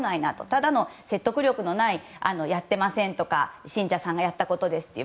ただの説得力のないやってませんとか信者さんがやったことですと。